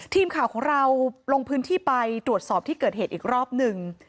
ทีมข่าวของเราลงพื้นที่ไปตรวจสอบที่เกิดเหตุอีกรอบหนึ่ง